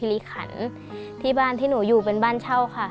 หมดเสถิมื่อต่อขันย์ที่บ้านที่หนูอยู่เป็นบ้านเช่าค่ะ